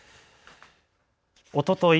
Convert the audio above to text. おととい